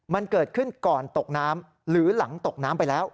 มันเกิดขึ้นก่อนตกน้ำหรือหลังตกน้ำไปแล้ว